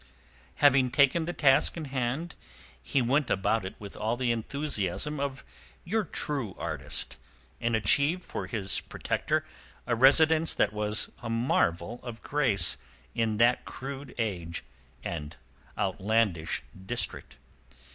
Having taken the task in hand he went about it with all the enthusiasm of your true artist, and achieved for his protector a residence that was a marvel of grace in that crude age and outlandish district.